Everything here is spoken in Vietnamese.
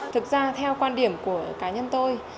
thực ra theo quan điểm của cá nhân tôi